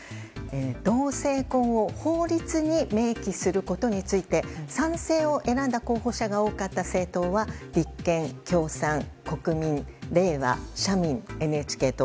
同性婚を法律に明記することについて、賛成を選んだ候補者が多かった政党は立憲、共産、国民、れいわ社民、ＮＨＫ党。